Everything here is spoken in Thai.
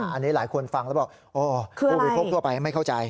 อ่าอันนี้หลายคนฟังแล้วบอกอ๋อคืออะไรโบรีโพสต์ทั่วไปไม่เข้าใจ